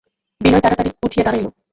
বিনয় তাড়াতাড়ি উঠিয়া দাঁড়াইল।